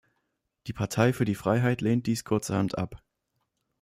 Die Partei für die Freiheit lehnt dies kurzerhand ab.